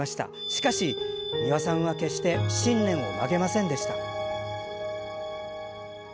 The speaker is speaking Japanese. しかし、美輪さんは決して信念を曲げませんでした。